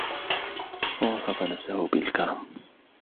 فَوَصَفَ نَفْسَهُ بِالْكَرَمِ